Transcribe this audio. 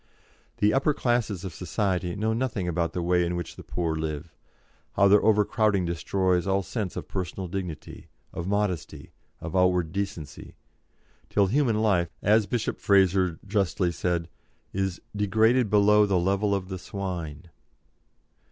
The "upper classes" of society know nothing about the way in which the poor live; how their overcrowding destroys all sense of personal dignity, of modesty, of outward decency, till human life, as Bishop Fraser justly said, is "degraded below the level of the swine."